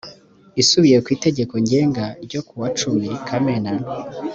isubiye ku itegeko ngenga n ryo kuwa cumi kamena